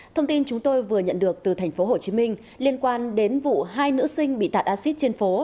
thông tin chúng tôi vừa nhận được từ tp hcm liên quan đến vụ hai nữ sinh bị tạt acid trên phố